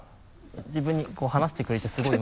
自分に話してくれてすごい今。